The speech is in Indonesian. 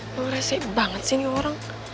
lu resip banget sih nih orang